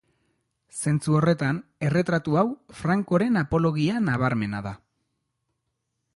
Zentzu horretan, erretratu hau Francoren apologia nabarmena da.